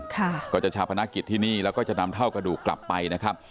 ก็จะชาวพนักกิจที่นี่แล้วก็จะนำเท่ากระดูกกลับไปนะครับ